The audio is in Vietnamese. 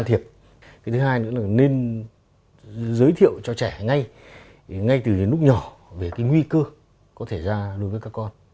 thứ hai nữa là nên giới thiệu cho trẻ ngay từ cái lúc nhỏ về cái nguy cơ có thể ra đối với các con